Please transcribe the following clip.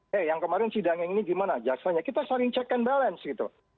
hei yang kemarin sidangnya ini gimana jaksanya kita saling check and balance gitu